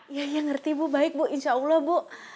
iya ngerti bu baik bu insya allah bu